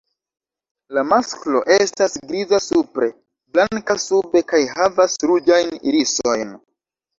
La masklo estas griza supre, blanka sube kaj havas ruĝajn irisojn.